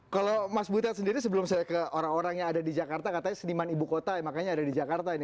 kalau mas butet sendiri sebelum saya ke orang orang yang ada di jakarta katanya seniman ibu kota ya makanya ada di jakarta ini